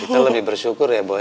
kita lebih bersyukur ya boy